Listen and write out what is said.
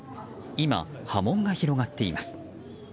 今、波紋が広がっています。